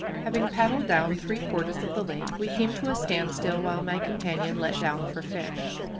Having paddled down three quarters of the lake, we came to a standstill while my companion let down for fish.